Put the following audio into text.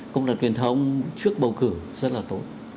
công đoàn truyền thông trước bầu cử rất là tốt